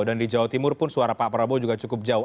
dan di jawa timur pun suara pak prabowo juga cukup jauh